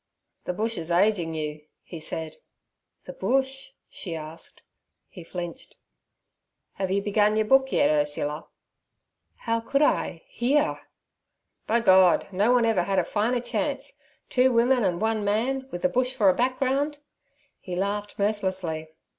'The bush is ageing you' he said. 'The bush?' she asked. He flinched. 'Have you begun your book yet, Ursula?' 'How could I here?' 'By God! no one ever had a finer chance. Two women and one man, with the Bush for a background!' He laughed mirthlessly.